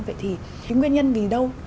vậy thì nguyên nhân vì đâu